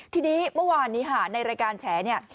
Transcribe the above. ทีนี้เมื่อวานฮาในรายการแฉะเนี่ย